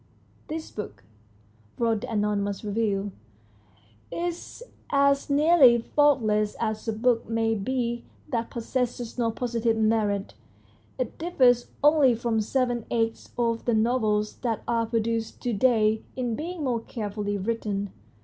" This book," wrote the anonymous reviewer, " is as nearly faultless as a book may be that possesses no positive merit. It differs only from seven eighths of the novels that are produced to day in being more carefully written.